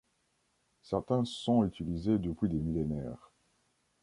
Certains sont utilisés depuis des millénaires.